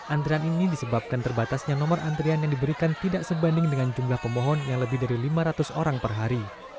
antrian ini disebabkan terbatasnya nomor antrian yang diberikan tidak sebanding dengan jumlah pemohon yang lebih dari lima ratus orang per hari